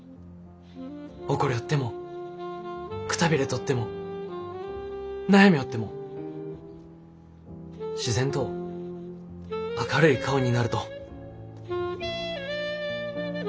怒りょってもくたびれとっても悩みょうっても自然と明るい顔になると。